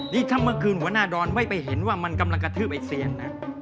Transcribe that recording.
นี่ถ้าเมื่อคืนหัวหน้าดอนไม่ไปเห็นว่ามันกำลังกระทืบไอ้เซียนนะ